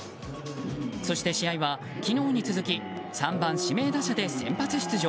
そして試合は昨日に続き３番指名打者で先発出場。